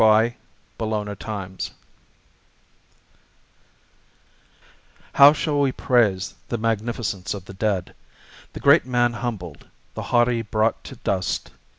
TETÉLESTAI I How shall we praise the magnificence of the dead, The great man humbled, the haughty brought to dust?